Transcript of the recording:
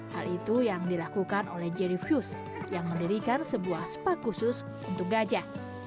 hal itu yang dilakukan oleh jerry fuse yang mendirikan sebuah spa khusus untuk gajah